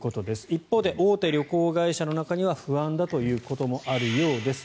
一方で、大手旅行会社の中には不安だということもあるようです。